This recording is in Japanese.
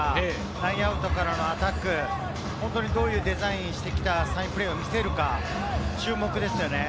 ラインアウトからのアタック、どういうデザインをしてきたサインプレーを見せるか注目ですよね。